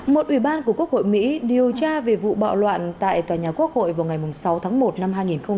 một ủy ban của quốc hội mỹ điều tra về vụ bạo loạn tại tòa nhà quốc hội vào ngày sáu tháng một năm hai nghìn hai mươi